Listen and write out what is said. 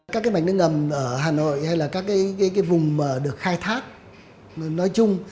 các mảnh nước ngầm ở hà nội hay các vùng được khai thác nói chung